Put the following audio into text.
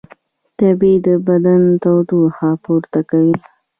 تبې د بدن تودوخه پورته کوي